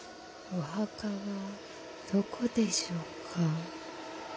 ・お墓はどこでしょうか。